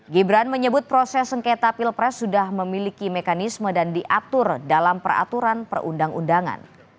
gibran menyebut proses sengketa pilpres sudah memiliki mekanisme dan diatur dalam peraturan perundang undangan